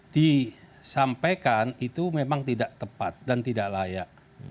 disampaikan itu memang tidak tepat dan tidak layak